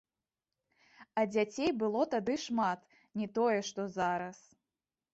А дзяцей было тады шмат, не тое што зараз.